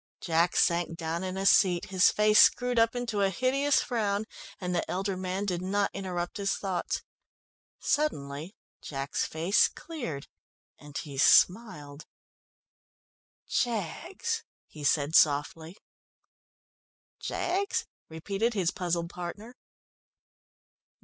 Jack sank down in a seat, his face screwed up into a hideous frown, and the elder man did not interrupt his thoughts. Suddenly Jack's face cleared and he smiled. "Jaggs!" he said softly. "Jaggs?" repeated his puzzled partner.